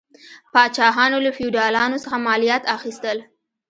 پاچاهانو له فیوډالانو څخه مالیات اخیستل.